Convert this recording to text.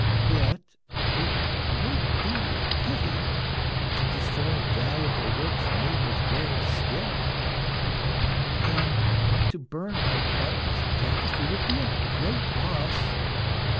Yet it would be a pity to destroy valuable works made with rare skill, and to burn my carpets and tapestry would be a great loss.